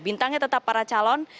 bintangnya tetap para calon